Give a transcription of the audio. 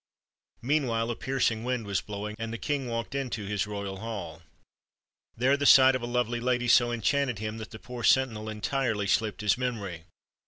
Meanwhile a piercing wind was blowing, and the king walked into his royal hall. There the sight of a lovely lady so enchanted him that the poor sentinel entirely slipped his memory.